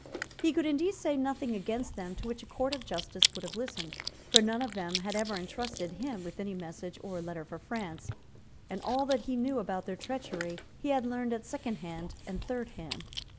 He could indeed say nothing against them to which a Court of Justice would have listened; for none of them had ever entrusted him with any message or letter for France; and all that he knew about their treachery he had learned at second hand and third hand.